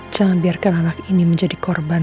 jangan biarkan anak ini menjadi korban